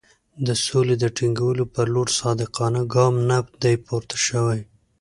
د سولې د ټینګولو پر لور صادقانه ګام نه دی پورته شوی.